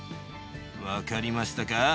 分かりましたか？